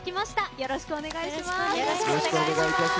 よろしくお願いします。